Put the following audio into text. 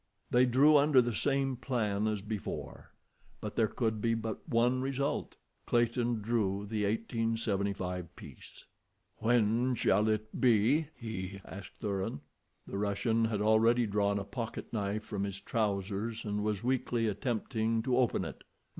They drew under the same plan as before, but there could be but one result—Clayton drew the 1875 piece. "When shall it be?" he asked Thuran. The Russian had already drawn a pocketknife from his trousers, and was weakly attempting to open it.